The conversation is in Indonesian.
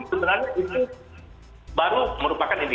sebenarnya itu baru merupakan indikasi